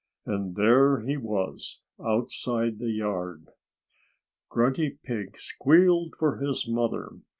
And there he was, outside the yard! Grunty Pig squealed for his mother.